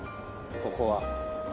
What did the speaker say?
ここは。